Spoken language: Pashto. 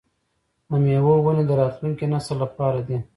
د میوو ونې د راتلونکي نسل لپاره دي.